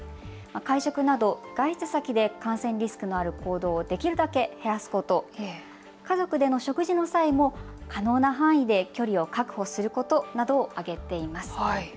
会食など外出先で感染リスクのある行動をできるだけ減らすこと、家族での食事の際も可能な範囲で距離を確保することなどを挙げています。